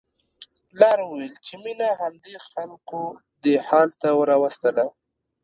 پلار وویل چې مينه همدې خلکو دې حال ته راوستله